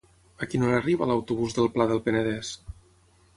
A quina hora arriba l'autobús del Pla del Penedès?